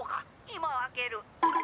今開ける。